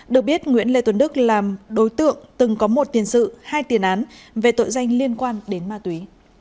được biết nguyễn lê tuấn đức là đối tượng từng có một tiền sự hai tiền án về tội danh liên quan đến ma túy